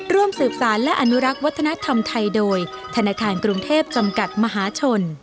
ร่วมสืบสารและอนุรักษ์วัฒนธรรมไทยโดยธนาคารกรุงเทพจำกัดมหาชน